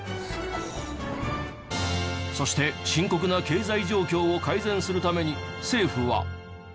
そして深刻な経済状況を改善するために政府は。